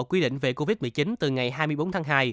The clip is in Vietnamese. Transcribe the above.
quy định về covid một mươi chín từ ngày hai mươi bốn tháng hai